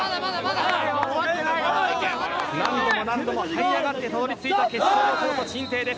何度も何度もはい上がってたどり着いた決勝のコート鎮西です。